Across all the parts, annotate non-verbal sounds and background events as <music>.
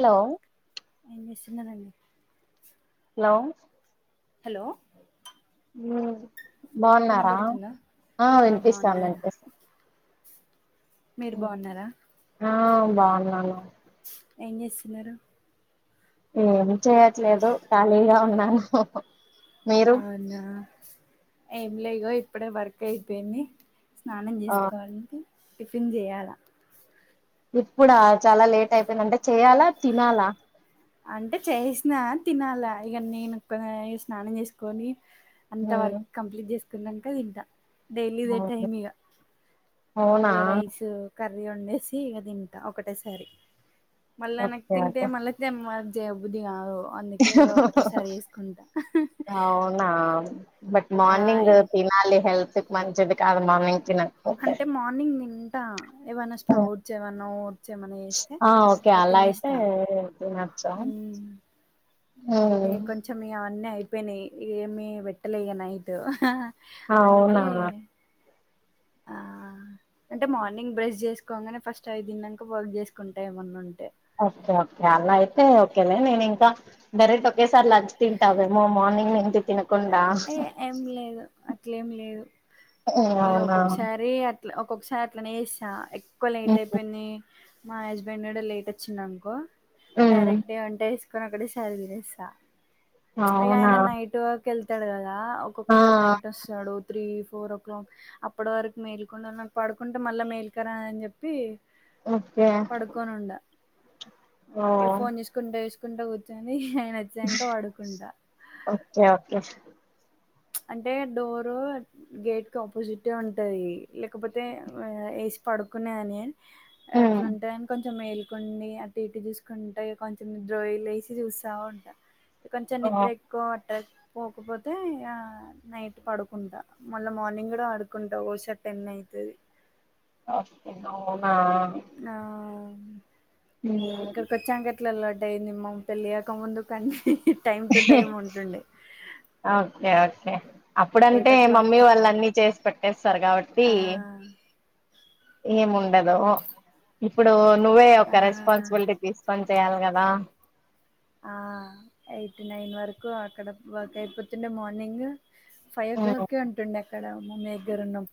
Hello ఏం చేస్తున్నారంండి. Hello, hello బాగున్నారా వినబడుతుందా ఆ వినిపిస్తాం. వినిపి మీరు బాగున్నారా ఆ బాగున్నాను ఏం చేస్తున్నారు. ఏం చేయట్లేదు. ఖాళీగా ఉన్నాను. మీరు అవునా, ఏం లేగో ఇప్పుడే వర్క్ అయిపోయింది. స్నానం ఆ చేసుకోవాలంటె టిఫిన్ చేయాలా. ఇప్పుడా చాలా లేట్ అయిపోయింది. అంటే చెయాలా, తినాలా, అంటే చేసినా తినాలా ఇగా నేను కూడా స్నానం చేసుకొని, అంత ఉమ్ వర్క్ కంప్లీట్ చేసుకున్నక తింటా. డైలీ ఇదే అవును టైమ్ఇగ, అవునా ఇగ రైస్ కర్రీ వండేసి, ఇక తింటా ఒకటేసారి మళ్ళ నాకు ఓకే తింటే ఓకే మళ్ళ ఇ మ జే <unintelligible> బుద్ధి కాదు అందుకే ఇక ఒకటేసారి వేసుకుంటా నా బట్ మార్నింగ్ తినాలి. హెల్త్ కి మంచిదికాదు. మార్నింగ్ తినాకపోతే అంటే మార్నింగ్ ట్ట ఏమన్నా స్ప్రొట్స్ ఏమన్నా ఓట్స్ ఏమన్నా చెస్తే అవి తినేస్తా తినచ్చా ఇక కొంచెం ఇవన్నీ అయిపోయినాయి ఏమీ పెట్టలే ఇగా నైట్ అందుకే అవునా ఆ అంటే మార్నింగ్ బ్రష్ చేసు కాగానే ఫస్ట్ అవి తిన్నాక వర్క్ చేసుకుంటా. ఏమన్నా ఉంటే ఓకే ఓకే అలా అయితే ఓకేనే నేనీ ఇంకా డైరెక్ట్ ఒకే సార్ లంచ్ తింటావేమోల్ మార్నింగ్ నుంచి తినకుండా యే, ఏం లేదు. అట్లేంలేదు. ఈ అవునా ఒక్కొక్కసారి అ లా ఒక్కొక్కసారి అట్లానేేచేస్త ఎక్కువ లేట్ ఉమ్ అయిపోయింది. మా హస్బెండ్ కూడా లేట్ వచ్చిండిఅనుకో ఉమ్, డైరెక్ట్గా వంట చేసి ఇద్దరం ఒకేసారి తీనేస్త్తాఅ అవునా ఆయన నైట్ వర్క్ ఎత్తాడు కదా ఆ ఒక్కొక్కసారి నైట్ వస్తాడు. త్రీ ఫోర్ ఓ క్లాక్ అప్పటి వరకు మేల్కునేవున్నాం. పడుకుంటే మళ్ళా మేల్కరా అని చెప్పి ఓకే కొనుండ, ఓ ఏ ఫోన్ చేసుకుంటా చేసుకుంటా కూర్చొని హేఆయన జంక పడుకుంటా. ఓకే ఓకే అంటే డోరు అంటే గేట్ కి ఆపోజిట్ ఉంటది. లేకపోతే ఏసి పడుకునే దాన్ని ఉమ్ అట్లుంటాయని కొంచె మేల్ కొన్ని అటు ఇటు జూస్కుంటే కొంచెం జోయలేసి చూస్తావుంట కొంచెం ఓ నిద్రె కో అటక్ పోకపోతే నైట్ పడుకుంటా మళ్ళా మార్నింగ్ గుడా ఆడుకుంటా ఓష టెన్ అయితది అవునా ఆ ఇక్కడి ఉమ్. కొచ్చాం లడ్డైంది మం పెళ్ళి గాక ముందు కనీ టైం టు టైం ఉంటుండే ఓకే ఓకే ఎయిట్ అప్పుడంటే ఓ క్లాక్ మమ్మీ వాళ్ళన్ని చేసి పెట్టేస్తారు తీ ఆ ఏం వుండదు ఇప్పుడు నువ్వే ఒక ఆ రెస్పాన్సిబులిటీ తీస్కోని చెయ్యాల గదా ఆ ఎయిట్ నైన్ వరకు అక్కడ వర్క్ అయిపోతుండే మార్నింగ్ ఫైవ్ ఓ ఉమ్, క్లాక్కే ఉంటుండక్కడ మమ్మెగ్గురున్నం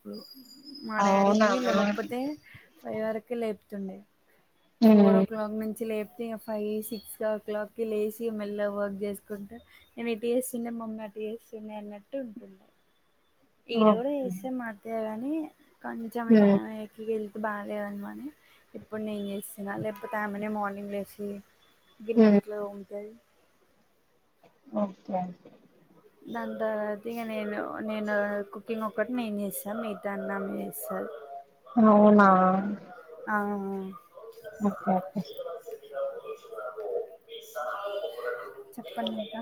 మా డాడీ అవునా లెవ్వకపోతే ఫైవ్ వరకు లేపుతుండే ఫోర్ ఓ హ్మ్ క్లాక్ నుంచి లేపితే ఫైవ్ సిక్స్ ఓ క్లాక్కి లేషి మెల్లా వర్క్ చేసుకుంటే నేను ఇటు చేస్తుండె మమ్మీ అటు చేస్తుండె అన్నట్టు ఉంటుంది ఈడ గుడ ఓకే. చూస్తే మధ్యే గాని కంచమిగా హ్మ్ వెళ్త్ బాలేదన్మని ఇప్పుడు నేన్ చేసినా లేకపోతే ఆమెనే మార్నింగ్ లేసి హ్మ్ గిన్నెలిట్లా ఓంతది ఓకే అంతే దాని తవాతిగ నేను నేను కుకింగ్ ఒకటి నేను చేస్తా మీతన్నం చేస్తాది అవునా ఆ ఓకే ఓకే చెప్పండిగ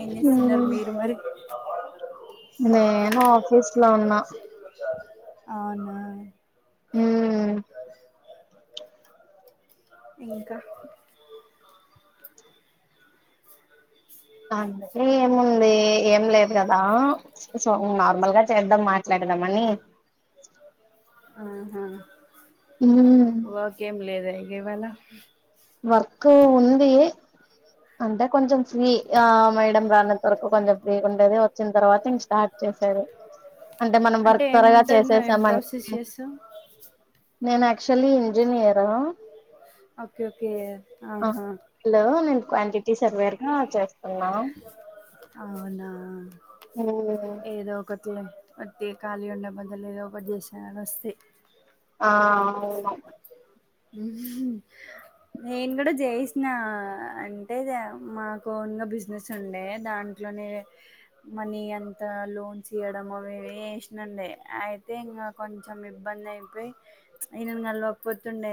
ఏం చేస్తున్నరు హ్మ్ మీరు మరి నేను ఆఫీస్ లో ఉన్నా అవునా మ్మ్ ఇంకా సీ అందుకే ఏముంది ఏం లేదు గదా సో నార్మల్ గా చేద్దాం మాట్లాడదామని ఆహా మ్మ్ వకేం లేదా గివాళ వర్కు ఉంది అంటే కొంచెం ఫ్రీ ఆ మేడం రానంత వరకు కొంచెం ఫ్రీ ఉండేది వచ్చిన తర్వాత ఇంక స్టార్ట్ అంటే మనం వర్క్ త్వరగా ఏముంటది నువ్వు ఏం చేసేసామం ప్రాసెస్ చేస్తావ్ నేను యాక్చువల్లీ ఇంజనీయురా ఓకే ఓకే ఆహా హలో నేను క్వాంటిటీ సర్వేర్గా చేస్తున్నా అవునా ఉమ్ ఏదోక్ అట్టే ఖాళీ ఉండే బదులు ఏదో ఒకటి చేసానని వస్తే ఆ అవును ఉ నేను కూడా చేయిసిన అంటే మాకు ఓన్గా బిజినెస్ ఉండే దాంట్. అట్లనే. మనీ అంత లోన్స్ ఇయడం మేమ్ ఏం వేసినాములే అయితే ఇంకా. కొంచెం ఇబ్బంది ఐపోయి ఇంగ లేపత్. వతుండే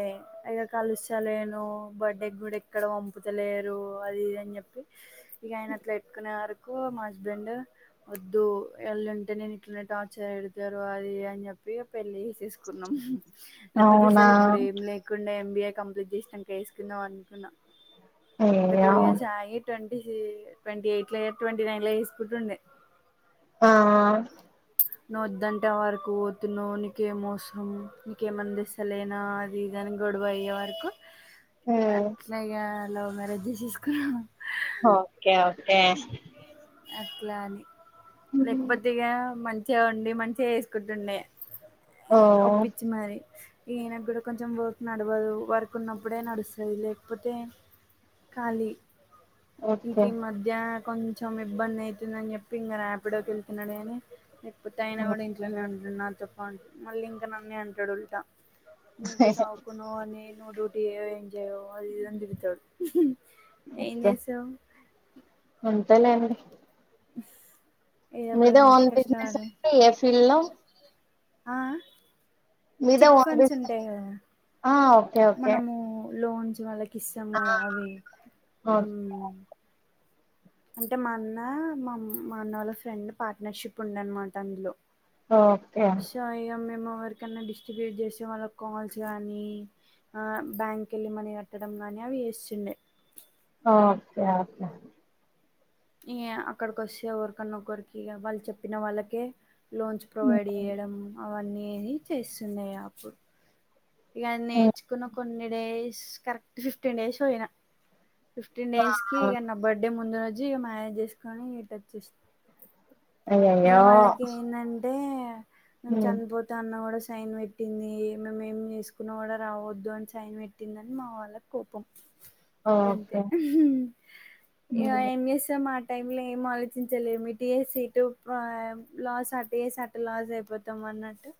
ఇక కలుస్తలేను బర్త్డేకి కూడా ఎక్కడ పంపుతలేరు అది ఇది అని చెప్పి. ఇగ ఆయన అట్లా పెట్టుకునే వరకు మా హస్బెండ్. వద్దు ఎళ్ళంటే నేను ఇట్లనే టార్చర్ పెడతారు అది ఇది అని చెప్పి ఇక పెళ్ళి చే. తీసుకున్నాం లేకపోతే అవునా సలి. లేకుండా ఎంబీఏ కంప్లీట్ చేసినాంక వేసుకుందాం అనుకున్నాం ఇంకా టూ అయ్యో ఇయర్స్ ఆయి. ట్వంటీ ట్వంటీ ఎయిట్ లో ట్వంటీ నైన్ లో తీసుకుంటుండే. ఆ ఆ. నువవుద్దంటే వరకు పోతున్నవు నీకే మోసరం నీకేం అందిస్తలే. నాది గ గొడవ అయ్యే వరకు ఉమ్ అట్ల ఇగ లవ్ మ్యారేజ్ చేసేస్. క ఓకే ఓకే. అట్లా అని లేకపోతే ఇగా మన్. చెవండి మంచిగా చెసుకుంటుండే ఓ ఒప్పించి మరి. ఈయనకు కూడా కొంచెం వర్క్ నడవదు వర్క్ ఉన్నప్పుడే నడుస్తది లేకపోతే. కాలీ. ఇంక ఓకే ఈ మధ్య కొంచెం ఇబ్బంది అయితుందని చెప్పి ఇంకా ర్యాపిడొ కి వెళ్తున్నాడు కాని. లేకపోతే అయినా హ్మ్. కూడా ఇంట్లోనే ఉంటాడు నాతో పాటు మళ్ళీ ఇంకా నన్నే అంటాడు ఉల్టా. నీకు చావుకును అని ను రటీయో ఏం చేయో. అది ఇది అని తిడుతాడ్ ఎం చేసావ్. కొంతలె అన్ని ఎస్ మీదే ఓన్ బిజినెస్ అంటే ఏ ఫీల్డ్ లో. ఆఅ. మీదే చిట్ ఓన్ ఫండ్స్ బిజినెస్ ఉంటాయి కదా ఆ ఓకే ఓకే మనము లోన్స్ వాళ్ళక్. కిస్సం ఆ కద అవి ఊ. ఓకే అంటే మా అన్న మా మా అన్న వాళ్ళ ఫ్రెండ్ పార్ట్నర్షిప్ ఉండ అనమాట అందులో. ఓకే. సో ఇ మేము ఎవరికైన్నా డిస్ట్రిబ్యూట్ చేసే వాళ్ళ కాల్స్ కానీ. ఆ బ్యాంక్ వెళ్ళి మనీ కట్టడం గానీ అవి వేస్తుండే. ఆ ఓకే ఓకే. నియ్య అక్కడికి ఓచే ఏవరికన్నా ఒకరికి యేగ వాళ్ళు చెప్పిన వాళ్ళకే. లోన్చ్ హ్మ్. ప్రోవైడ్ చేయడం అవన్నీ చేస్తున్నాయి అపుడు. ఇక అది హ్మ్. నేర్చుకున్న కొన్ని డేస్ కరెక్ట్ ఫిఫ్టీన్ డేస్ పోయిన. ఫిఫ్టీన్ డేస్ కి ఆ! ఇ నా బర్త్ డే ముందు రోజు మ్యారేజ్ చేసుకుని ఇట్ వచ్చేసిన. ఇ అయ్యయ్యో వాళ్ళకి ఏందంటే మేము హ్మ్. చనిపోత్. దాన్ వడ సైన్ పెట్టింది ఏ మేమేమి చేసుకున్నా కూడా రావద్దు అని సైన్ పెట్టిందని మా వాళ్ళకోపం. గంతే ఓకే ఇక హ్మ్. ఏం చేస్తాం మార్. టైమ్ లో ఏం ఆలోచించలేము ఇటు చేస్తే ఇటు. లాస్ అట్ట డేస్ అట లాస్ అయిపోతాం అన్నట్టు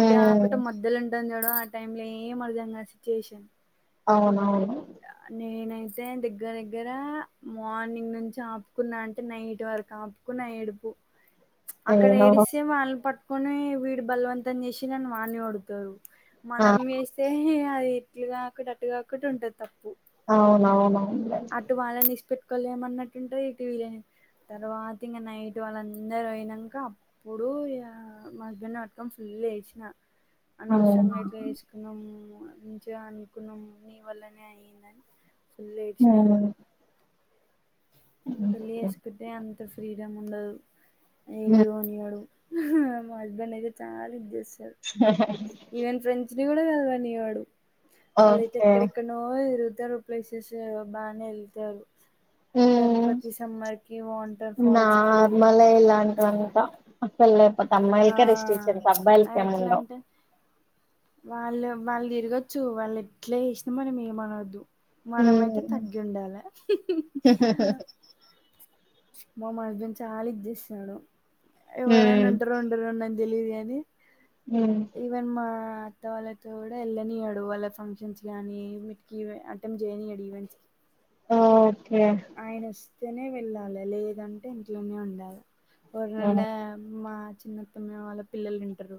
ఎటు ఆకుట మధలుం. చడం ఆ టైమ్ లో ఏం అర్దంగా సిచ్యువేషన్. అవునవును నేనైతే దగ్గర దగ్గర మార్నింగ్ నుంచి ఆపుకున్నా అంటే నైట్ వరకు ఆపు క్కున ఏడుపు అక్కడ ఏదో ఏడిస్తే వాళ్ళని పట్టుకొని వీడు బలవంతం చేసిండని వాన్ని కొడుతారు ఆ మనం మెస్తే ఇగ అది ఇట్లు కాకుట అటు కాకుట ఉంటది తప్పు అవునవును అవునులే అటు వాళ్ళని ఈడిసి పెట్టుకోలేమన్నట్టు ఉంటాది ఇటు వీళ్ళని తర్వాత ఇంగ నైట్ వాళ్ళందరూ పోయినంక ఇప్పుడు ఇగ మా హస్బెండ్‌ని పట్టుకొని ఫుల్ ఏడ్చిన అనవసరంగా ఇట్లా అవునవును చేసుకున్నాం మంచిగా అనుకున్నాం నీ వల్లనే అయ్యిందని ఫుల్ ఏడ్చినా ఇగ ఉమ్ పెళ్లి చే కుంటే అంతా ఫ్రీడం ఉండదు ఉమ్, ఎడికి పోనియడు ఆహా మా హస్బెండ్ అయితే చాలా ఇది చేస్తాడు హా ఈవెన్ ఫ్రెండ్స్‌ని కూడా కలవనియ్యాడు వాళ్ళు అయితే ఓకే ఎక్కడే ఎక్కనో తిరుగుతారు ప్లేసెస్ బానే ఎళ్తారు ఉమ్ ప్రతి సమ్మర్‌కి వాంటర్ ఫాల్స్‌కి లే ఇలాంటి వంతా పెళ్లయిపోతే ఆ అమ్మాయిలకే రిస్ట్రిక్షన్స్ అబ్బాయిలకేం ఎట్లా ఉండవు అంటే వాళ్ళు వాళ్ళు తిరగచ్చు వాళ్ళు ఎట్లా చేసినా మనం ఏమనద్దు మనమైతే ఉమ్ తగ్గి ఉండాలి మా మా హస్బెండ్ చాలా ఇది చేస్తాడు ఎవరైనా ఉమ్ ఉంటారో ఉండరో నాకు తెలియదు కాని ఉమ్మ్ ఈవెన్ మా అత్త వాళ్ళతో కూడా ఎళ్ళనీయడు వాళ్ళ ఫంక్షన్స్ గానీ కివే అటెంట్ చెయ్యనీయడు ఈవెంట్స్‌ ఓకే ఆయన వస్తేనే వెళ్ళాలే లేదంటే ఇంట్లోనే ఉండాలా ఓరి నన్న ఉమ్ మా చిన్నత్తమ్మయ్య వాళ్ళ పిల్లలు ఈంటారు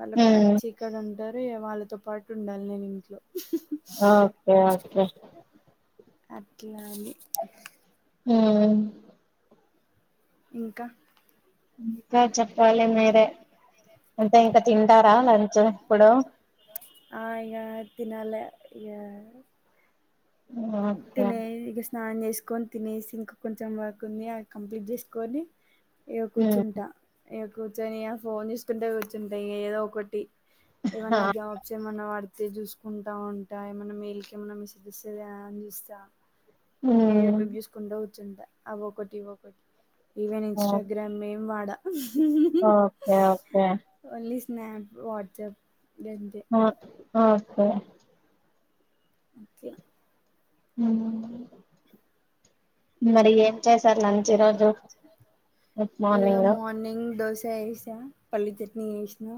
వాళ్ళ కొ ఉమ్ చీక్కగ ఉంటారు ఇగ వాళ్ళతో పాటు ఉండాలి నేను ఇంట్లో ఓకే ఓకే అట్లా అని ఉమ్మ్ ఇంకా ఇంకా చెప్పాలి మీరే అంతే ఇంకా తింటారా లంచ్ ఇప్పుడు ఆ ఇగ తినలే ఇగ ఓకే తినే ఇగ స్నానం చేసుకొని తినేసి ఇంకా కొంచెం వర్క్ ఉంది అది కంప్లీట్ చేసుకొని ఇగ ఉమ్ కూర్చుంటా ఇగ కూర్చొని ఆ ఫోన్ చూసుకుంటా కూర్చుంటా ఇంగ ఏదో ఒకటి హా ఏమన్నా జాబ్స్ ఏమనా పడితే చూసుకుంటా ఉంటా ఏమన్నా మెయిల్‌కి ఏమన్నా మెసేజ్ వస్తాదా అని చూస్తా ఇగ ఉమ్ యూట్యూబ్ చూసుకుంటా కుచ్చుంట ఆవొకటి ఇవొకటి ఈవెన్ ఓ ఇన్స్టాగ్రామ్ ఏం వాడా అ okay okay only snap WhatsApp గంతే ఆ ఓకే అంతే ఉమ్ మరిగ్యా చేసార్ లంచ్ ఈ రోజు గుడ్ ఇగ మార్నింగ్ మార్నింగ్ దోస వేశా పల్లి చట్ని చేసినా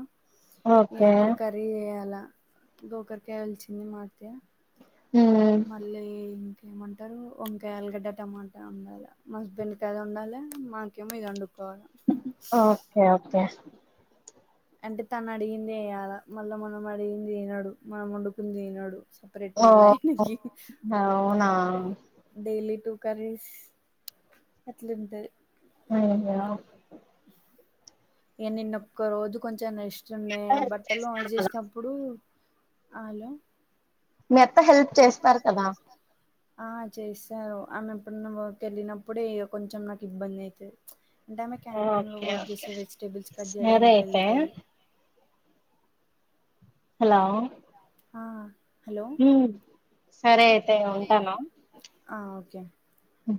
ఎ ఓకే ఇప్పుడు కర్రి పదివేల ఇంకొకరి గెలిచింది మాతే హ్మ్. మళ్ళీ ఏమంటారు వంకాయ ఆలుగడ్డ టమాటా ఉండాలి మా హస్బెండ్ కి అది ఉండాలా మాకేమో ఇది వండుకోవాలి ఓకే ఓకే అంటే తను అడిగింది వేయాలా మళ్ళా మనం అడిగింది వినడు మనం వండుకుంది తినడు సెపరేట్ ఓ మళ్ళ ఆయనకి అవునా డైలీ టూ కర్రీస్ అట్లుంటాది అయ్యో ఇని నేన్నొక్క రోజు కొంచెం రెస్ట్ ఉండే హెల్ప్ బట్టలు చేస్తారు ఐరన్ కదా, చేసిన ఇప్పుడు ఆళ్ళు మీ అత్త హెల్ప్ చేస్తారు కదా ఆ చేశారు ఆమె ఎప్పుడన వర్క్ వెళ్ళినప్పుడే ఇక కొంచెం నాకు ఇబ్బంది అవుతుంది అంటే ఆమె క్యాటరింగ్ లో ఓకే వర్క్ ఓకే చేసే వెజిటేబుల్స్ కట్ సరే చేయడానికి అయితే వెళ్తాది హలో ఆ హలో ఉమ్ సరే అ ఆ ఓకే అం